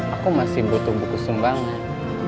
aku masih butuh buku sumbang nen